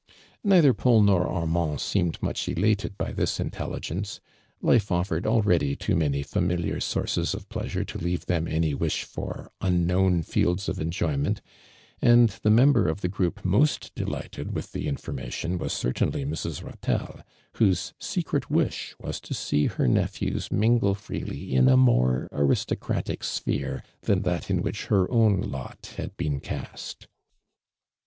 '' Neither Paul nor .\rmand seemed nuieh elated by this intelligenee. bife offered already too many familiar sources of pleasin e to leav<( them any wish for un known fields of en, joyment, and the member of the group mo^t deligjited with the in formation was certainly Mrs. Katelle, whose secret wish was to see her nephews mingle freely in a more aristocratic sphere than that in which her own lot Iiad been cast.